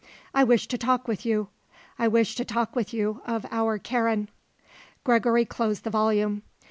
"I wish to talk with you. I wish to talk with you of our Karen." Gregory closed the volume.